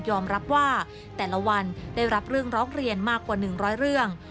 รับว่าแต่ละวันได้รับเรื่องร้องเรียนมากกว่า๑๐๐เรื่อง